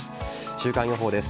週間予報です。